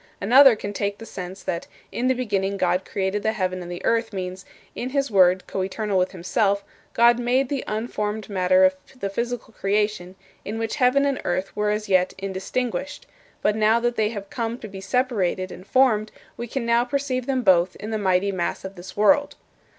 Another can take the sense that "In the beginning God created the heaven and the earth" means, "In his Word, coeternal with himself, God made the unformed matter of the physical creation, in which heaven and earth were as yet indistinguished; but now that they have come to be separated and formed, we can now perceive them both in the mighty mass of this world."